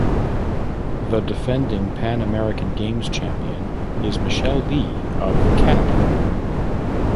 The defending Pan American Games champion is Michelle Li of Canada.